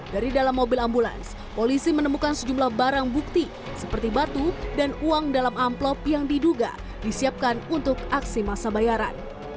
dari dalam mobil ambulans polisi menemukan sejumlah barang bukti seperti batu dan uang dalam amplop yang diduga disiapkan untuk aksi masa bayaran